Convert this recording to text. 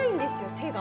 手が。